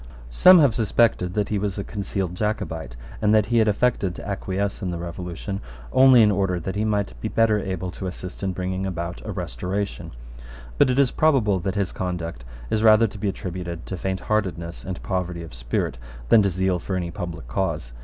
Some have suspected that he was a concealed Jacobite, and that he had affected to acquiesce in the Revolution only in order that he might be better able to assist in bringing about a Restoration: but it is probable that his conduct is rather to be attributed to faintheartedness and poverty of spirit than to zeal for any public cause.